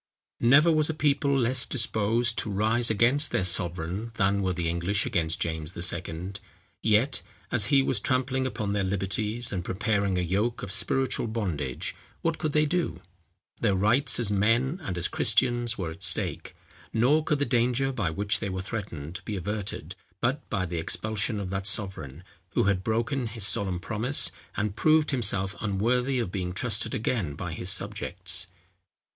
Never was a people less disposed to rise against their sovereign than were the English against James II. Yet, as he was trampling upon their liberties, and preparing a yoke of spiritual bondage, what could they do? Their rights as men and as Christians were at stake; nor could the danger by which they were threatened, be averted, but by the expulsion of that sovereign, who had broken his solemn promise, and proved himself unworthy of being trusted again by his subjects.